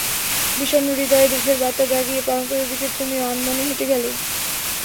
বিষণ্ন হৃদয়ে দুঃখের বার্তা জাগিয়ে প্রান্তরের দিকে তুমি আনমনে হেঁটে গেলে।